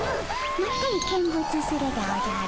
まったり見物するでおじゃる。